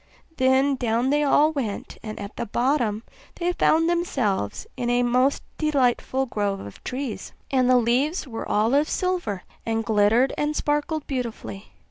Then down they all went, and at the bottom they found themselves in a most delightful grove of trees; and the leaves were all of silver, and glittered and sparkled beautifully.